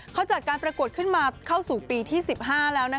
เขาจัดการประกวดขึ้นมาเข้าสู่ปีที่๑๕แล้ว